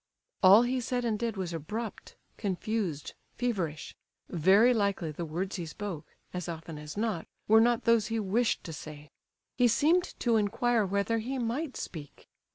All he said and did was abrupt, confused, feverish—very likely the words he spoke, as often as not, were not those he wished to say. He seemed to inquire whether he might speak.